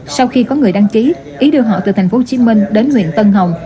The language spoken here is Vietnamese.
sau khi có người đăng ký ý đưa họ từ thành phố hồ chí minh đến huyện tân hồng